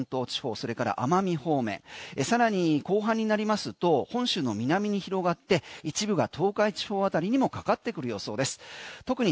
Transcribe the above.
沖縄本島地方それから奄美方面へさらに後半になりますと本州の南に広がって一部が東海地方あたりにもかかってくる予想です。